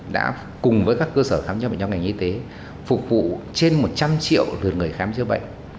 đã cùng với các cơ sở khám chữa bệnh trong ngành y tế phục vụ trên một trăm linh triệu lượt người khám chữa bệnh